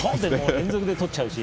連続で取っちゃうし。